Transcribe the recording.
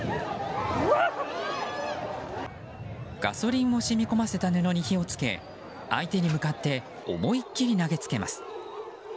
ガソリンを染み込ませた布に火を付け相手に向かって思いっきり投げつけます。